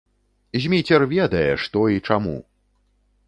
Зміцер ведае, што і чаму!